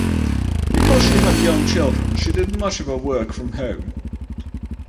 Because she had young children, she did much of her work from home.